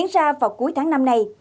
ra vào cuối tháng năm này